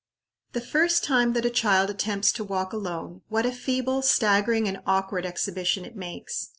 The first time that a child attempts to walk alone, what a feeble, staggering, and awkward exhibition it makes.